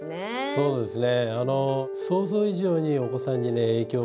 そうですね。